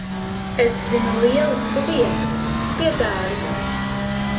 Es zinu lielisku vietu. Pie dārza.